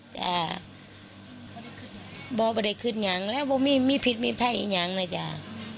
จ้าบอกว่าได้ขึ้นยังแล้วว่ามีผิดมีไพ่ยังนะจ้า